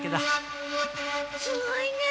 すごいな。